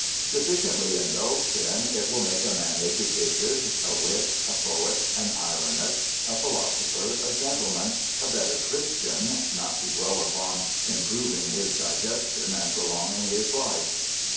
Sufficiently indulged in, it will make a man educated, a wit, a poet, an ironist, a philosopher, a gentleman, a better Christian (not to dwell upon improving his digestion and prolonging his life).